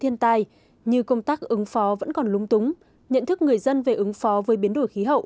thiên tai như công tác ứng phó vẫn còn lúng túng nhận thức người dân về ứng phó với biến đổi khí hậu